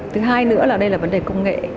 thứ hai nữa là đây là vấn đề công nghệ